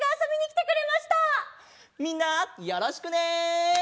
みんなよろしくね！